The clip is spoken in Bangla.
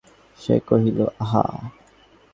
সে কহিল, আহা!